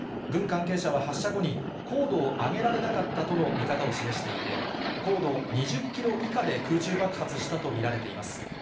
軍関係者は発射後に、高度を上げられなかったとの見方を示していて、高度２０キロ以下で空中爆発したと見られています。